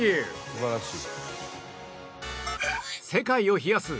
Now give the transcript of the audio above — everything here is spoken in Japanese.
素晴らしい。